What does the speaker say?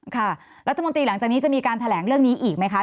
ค่ะรัฐมนตรีหลังจากนี้จะมีการแถลงเรื่องนี้อีกไหมคะ